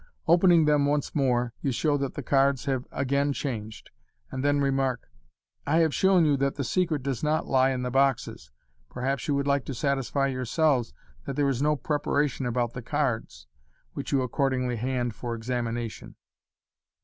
Opening them once more, you show that the cards have again changed, and then remark, " I have shown you that the secret does not lie in the boxes, perhaps you would like to satisfy yourselves that there is no preparation about the cards,' ' which you accordingly hand for examination.